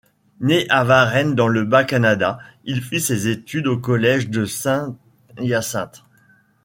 Né à Varennes dans le Bas-Canada, il fit ses études au Collège de Saint-Hyacinthe.